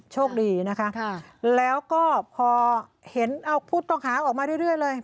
โชคดีนะคะแล้วก็พอเห็นเอาผู้ต้องหาออกมาเรื่อยเลย